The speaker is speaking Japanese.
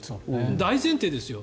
大前提ですよ。